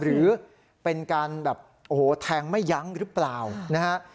หรือเป็นการแบบโอ้โหแทงไม่ยั้งหรือเปล่านะฮะ